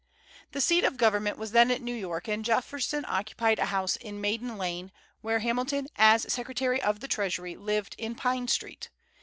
The seat of government was then at New York, and Jefferson occupied a house in Maiden Lane, while Hamilton, as Secretary of the Treasury, lived in Pine street.